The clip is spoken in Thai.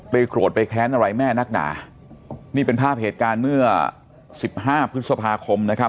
โกรธไปแค้นอะไรแม่นักหนานี่เป็นภาพเหตุการณ์เมื่อสิบห้าพฤษภาคมนะครับ